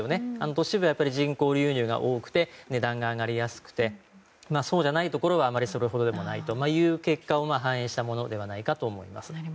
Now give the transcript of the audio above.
都市部は人口流入が多くて値段が上がりやすくてそうじゃないところはそれほどでもないという結果を反映したものではないかと思います。